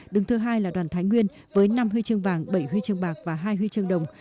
đứng thứ hai là đoàn thái nguyên với năm huy chương vàng bảy huy chương bạc và hai huy chương đồng